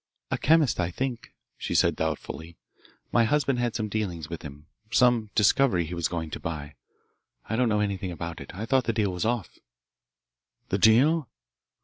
"A chemist, I think," she said doubtfully. "My husband had some dealings with him some discovery he was going to buy. I don't know anything about it. I thought the deal was off." "The deal?"